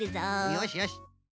よしよし。